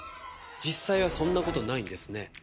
実際はそんなことないんですね。